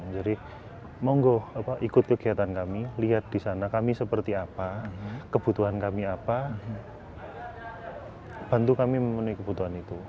jadi monggo ikut kegiatan kami lihat di sana kami seperti apa kebutuhan kami apa bantu kami memenuhi kebutuhan itu